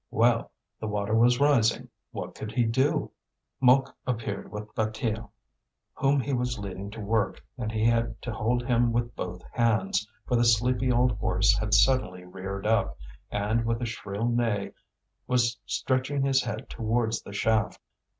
Well! the water was rising; what could he do? Mouque appeared with Bataille, whom he was leading to work, and he had to hold him with both hands, for the sleepy old horse had suddenly reared up, and, with a shrill neigh, was stretching his head towards the shaft.